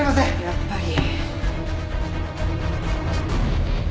やっぱり。